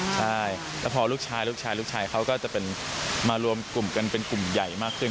ใช่แล้วพอลูกชายลูกชายเขาก็จะเป็นมารวมกลุ่มกันเป็นกลุ่มใหญ่มากขึ้น